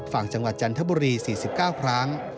ฝั่งจังหวัดจันทบุรี๔๙ครั้ง